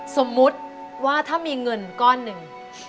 สมมุติว่าถ้ามีเงินก้อนหนึ่ง